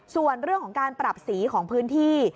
ส่วนเรื่องของการปรับสีของพื้นที่